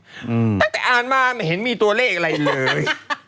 ตั้งแต่อ่านมาไม่เห็นมีตัวเลขอะไรเลย